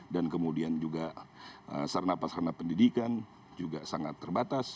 dan kemudian juga sarana pasaran pendidikan juga sangat terbatas